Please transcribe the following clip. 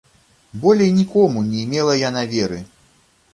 Болей нікому не ймела яна веры.